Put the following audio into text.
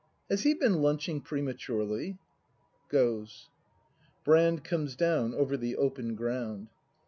Has he been lunching prematurely ? [Goes. Brand. [Comes down over the open ground.